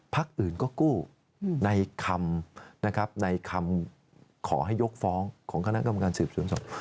พักอื่นก็กู้ในคำขอให้ยกฟ้องของคณะกรรมการสื่อส่วนส่วน